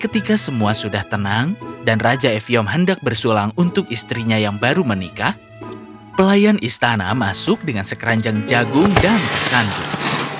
ketika semua sudah tenang dan raja evium hendak bersulang untuk istrinya yang baru menikah pelayan istana masuk dengan sekeranjang jagung dan sanduk